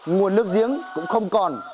nguồn nước giếng cũng không còn